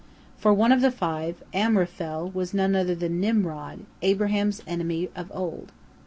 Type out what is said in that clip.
For one of the five, Amraphel, was none other than Nimrod, Abraham's enemy from of old.